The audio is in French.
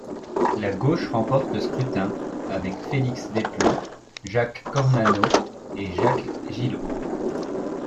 La gauche remporte le scrutin avec Félix Desplan, Jacques Cornano et Jacques Gillot.